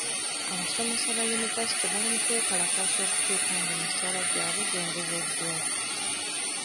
Abasomesa ba yunivasite bali mu kwekalakaasa okutuusa ng'emisaala gyabwe gyongezeddwa.